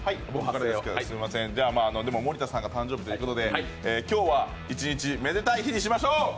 でもまあ、森田さんが誕生日ということで今日は一日、めでたい日にしましょう！